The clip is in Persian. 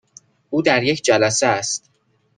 او در یک جلسه است.